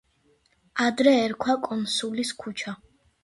ადრე ერქვა კონსულის ქუჩა.